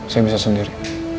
saya bisa sendiri